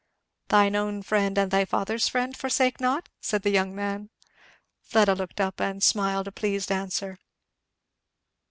"'Thine own friend and thy father's friend forsake not'?" said the young man. Fleda looked up and smiled a pleased answer.